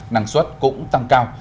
năng suất cũng tăng cao